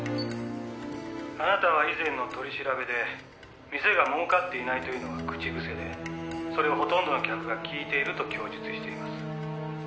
「あなたは以前の取り調べで店が儲かっていないというのは口癖でそれをほとんどの客が聞いていると供述しています」